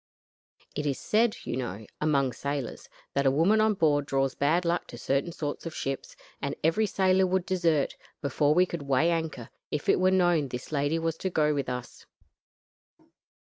It is said, you know, among sailors, that a woman on board draws bad luck to certain sorts of ships, and every sailor would desert, before we could weigh anchor, if it were known this lady was to go with us.